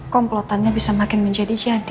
komplotannya bisa makin menjadi jadi